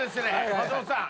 松本さん